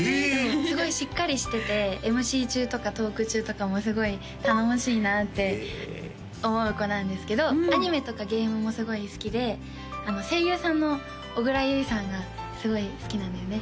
すごいしっかりしててＭＣ中とかトーク中とかもすごい頼もしいなって思う子なんですけどアニメとかゲームもすごい好きで声優さんの小倉唯さんがすごい好きなんだよね